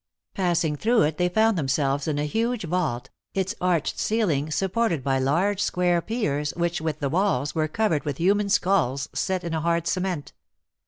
Passing through it, they found themselves in a huge vault, its arched ceiling supported by large square piers, which, with the walls, were covered with hu man skulls, set in a hard cement.